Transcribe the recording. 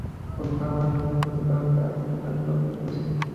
কুন্দ অবাক হইয়া বলিল, গয়নার লোভে বুঝি?